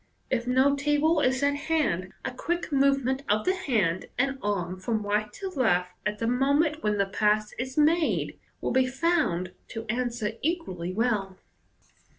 If no table is at hand a quick movement of the hand and arm from right to left, at the moment when the pass is made, will be found to answer equally well.